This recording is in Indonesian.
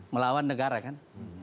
melawan negara kan